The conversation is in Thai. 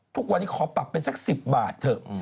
ทุกวันนี้ขอปรับเป็นสัก๑๐บาทเถอะ